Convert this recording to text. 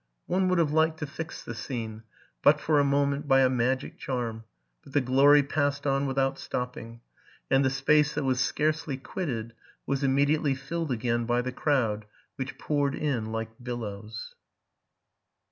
One would have liked to fix the scene, but for a moment, by a magic charm; but the glory passed on without stopping: and the space that was searcely quitted was immediately filled again by the crowd, which poured in like billows.